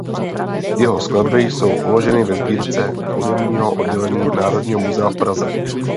Jeho skladby jsou uloženy ve sbírce Hudebního oddělení Národního muzea v Praze.